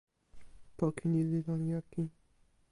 poki ni li lon jaki.